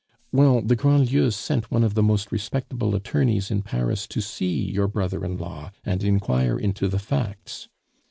"Well, the Grandlieus sent one of the most respectable attorneys in Paris to see your brother in law and inquire into the facts.